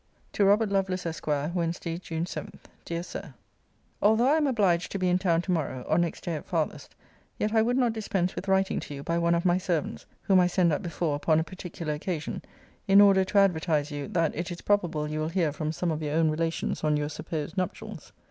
TO ROBERT LOVELACE, ESQ. WEDN. JUNE 7. DEAR SIR, Although I am obliged to be in town to morrow, or next day at farthest, yet I would not dispense with writing to you, by one of my servants, (whom I send up before upon a particular occasion,) in order to advertise you, that it is probable you will hear from some of your own relations on your [supposed*] nuptials.